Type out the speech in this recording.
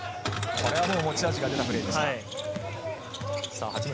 これは持ち味が出たプレーでした。